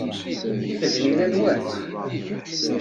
Tifednin-a nwen?